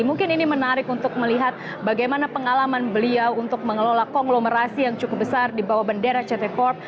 mungkin ini menarik untuk melihat bagaimana pengalaman beliau untuk mengelola konglomerasi yang cukup besar di bawah bendera ct corp